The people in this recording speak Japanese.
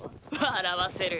笑わせる。